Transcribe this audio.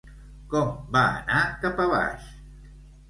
Com va anar cap a baix?